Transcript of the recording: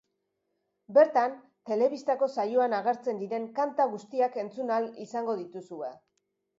Bertan, telebistako saioan agertzen diren kanta guztiak entzun ahal izango dituzue.